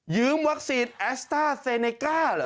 วัคซีนแอสต้าเซเนก้าเหรอ